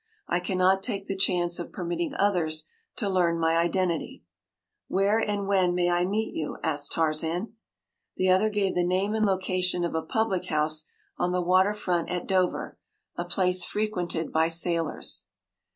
I cannot take the chance of permitting others to learn my identity.” “Where and when may I meet you?” asked Tarzan. The other gave the name and location of a public house on the water front at Dover—a place frequented by sailors.